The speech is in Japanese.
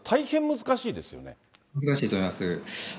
難しいと思います。